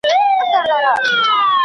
¬ کوزه په دري چلي ماتېږي.